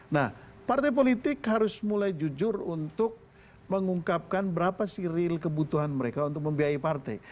nah partai politik harus mulai jujur untuk mengungkapkan berapa sih real kebutuhan mereka untuk membiayai partai